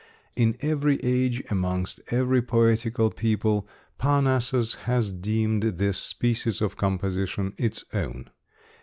In every age, amongst every poetical people, Parnassus has deemed this species of composition its own.